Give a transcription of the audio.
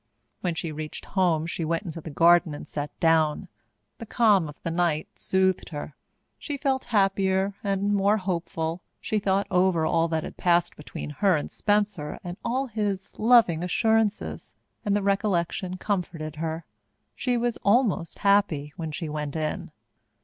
When she reached home she went into the garden and sat down. The calm of the night soothed her. She felt happier and more hopeful. She thought over all that had passed between her and Spencer and all his loving assurances, and the recollection comforted her. She was almost happy when she went in.